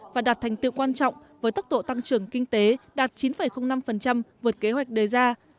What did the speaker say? và đạt thành tựu quan trọng với tốc độ tăng trưởng kinh tế đạt chín năm vượt kế hoạch đề ra